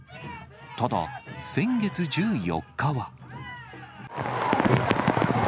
ただ、先月１４日は。